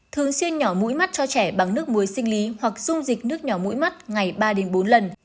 thường xuyên nhỏ mũi mắt cho trẻ bằng nước muối sinh lý hoặc dung dịch nước nhỏ mũi mắt ngày ba đến bốn lần